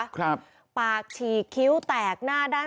ครับปากฉีกคิ้วแตกหน้าด้าน